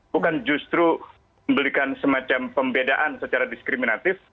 bukan justru memberikan semacam pembedaan secara diskriminatif